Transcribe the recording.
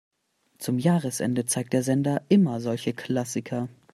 Zum Jahresende zeigt der Sender immer solche Klassiker.